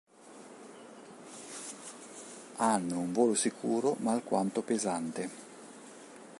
Hanno un volo sicuro ma alquanto pesante.